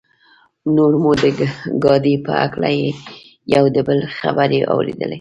نور مو د ګاډي په هکله یو د بل خبرې اورېدلې.